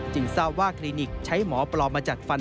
จึงทราบว่ากรีนิกใช้หมอปรอบมาจัดฟัน